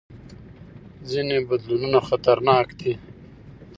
ځینې بدلونونه خطرناک دي.